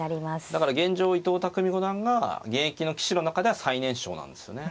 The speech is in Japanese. だから現状伊藤匠五段が現役の棋士の中では最年少なんですよね。